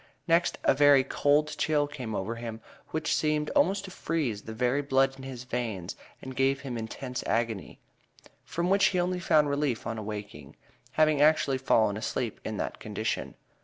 Next a very "cold chill" came over him, which seemed almost to freeze the very blood in his veins and gave him intense agony, from which he only found relief on awaking, having actually fallen asleep in that condition.